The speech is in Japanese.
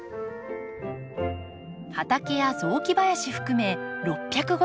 畑や雑木林含め６５０坪。